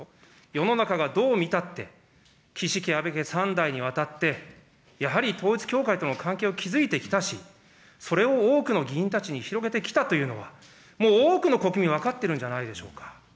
世の中がどう見たって、岸家、安倍家、３代にわたって、やはり統一教会との関係を築いてきたし、それを多くの議員たちに広げてきたというのは、もう多くの国民は分かってるんじゃないでしょうか。